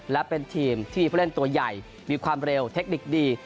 และเป็นทีมที่ผู้เล่นตัวใหญ่มีความเร็วเทคนิคดี